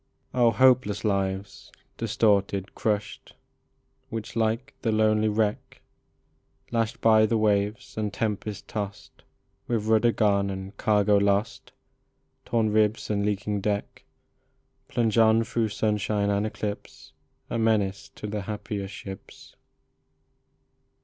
Oh, hopeless lives, distorted, crushed, Which, like the lonely wreck, Lashed by the waves and tempest tossed, With rudder gone and cargo lost, Torn ribs and leaking deck, Plunge on through sunshine and eclipse, A menace to the happier ships.